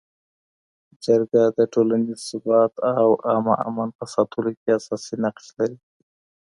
جرګه د ټولنیز ثبات او عامه امن په ساتلو کي اساسي نقش لري.